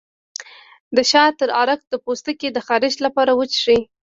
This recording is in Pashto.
د شاه تره عرق د پوستکي د خارښ لپاره وڅښئ